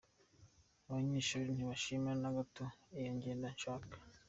Abanyeshure ntibashima na gato iyo ngendo nshasha.